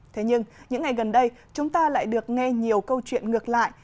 thế nhưng những ngày gần đây chúng ta lại được nghe nhiều câu chuyện ngược lại